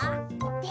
で？